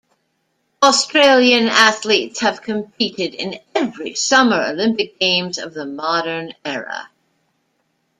Australian athletes have competed in every Summer Olympic Games of the modern era.